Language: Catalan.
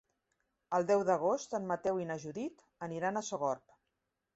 El deu d'agost en Mateu i na Judit aniran a Sogorb.